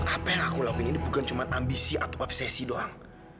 apa yang aku lakuin ini bukan cuma ambisi atau obsesi doang